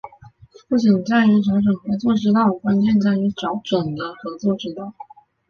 不仅在于找准合作之道，关键在于找准了合作之道